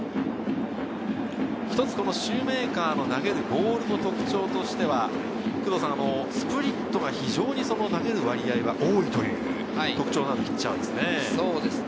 ひとつシューメーカーの投げるボールの特徴としては、スプリットが非常に投げる割合が多いというピッチャーですね。